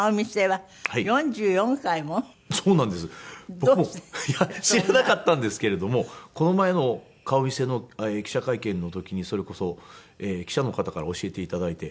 僕も知らなかったんですけれどもこの前の顔見世の記者会見の時にそれこそ記者の方から教えて頂いて。